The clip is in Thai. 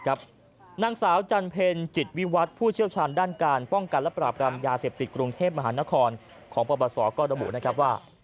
นางสาวจันเพ็ญจิตวิวัตรผู้เชี่ยวชาญด้านการป้องกันและปราบรามยาเสพติดกรุงเทพมหานครของปปศก็ระบุนะครับว่า